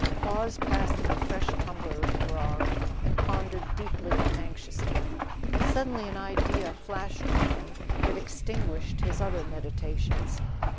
Hawes passed him a fresh tumbler of grog, and pondered deeply and anxiously. But suddenly an idea flashed on him that extinguished his other meditations.